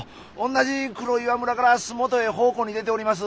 同じ黒岩村から洲本へ奉公に出ております